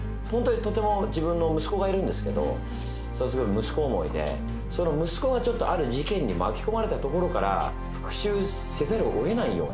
自分の息子がいるんですけど息子思いでその息子がある事件に巻き込まれたところから復讐せざるを得ないような。